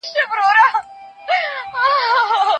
له کوڅو ساندي پورته کیږي خو اثر نه لري